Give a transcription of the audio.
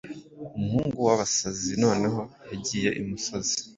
Umuhungu wa basazi noneho yagiye Imisozi